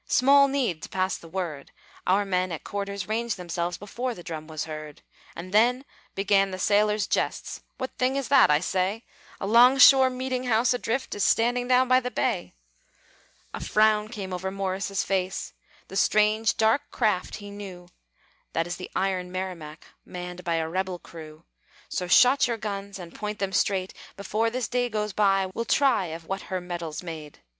Small need to pass the word; Our men at quarters ranged themselves, Before the drum was heard. And then began the sailors' jests: "What thing is that, I say?" "A long shore meeting house adrift Is standing down the bay!" A frown came over Morris' face; The strange, dark craft he knew; "That is the iron Merrimac, Manned by a rebel crew. "So shot your guns, and point them straight; Before this day goes by, We'll try of what her metal's made."